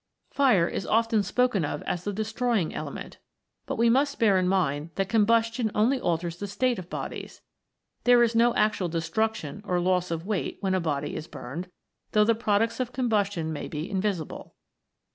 Fire is often spoken of as the destroying element, but we must bear in mind that combustion only alters the state of bodies ; there is no actual de struction or loss of weight when a body is burned, though the products of combustion may be invi sible.